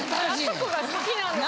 あそこが好きなんですよ